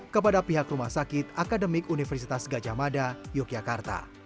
kepada pihak rumah sakit akademik universitas gajah mada yogyakarta